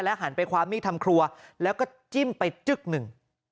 หันไปคว้ามีดทำครัวแล้วก็จิ้มไปจึ๊กหนึ่ง